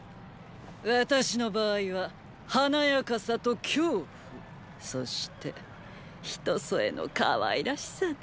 私の場合は“華やかさ”と“恐怖”そしてひとそえの“かわいらしさ”だ。